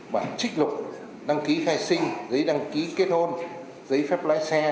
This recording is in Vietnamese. bản trích lục đăng ký khai sinh giấy đăng ký kết hôn giấy phép lái xe